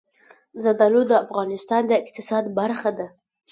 زردالو د افغانستان د اقتصاد برخه ده.